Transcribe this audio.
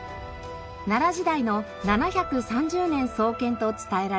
奈良時代の７３０年創建と伝えられています。